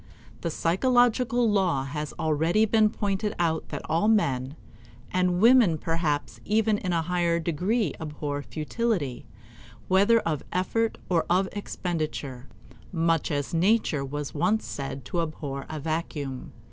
The psychological law has already been pointed out that all men and women perhaps even in a higher degree abhor futility, whether of effort or of expenditure much as Nature was once said to abhor a vacuum.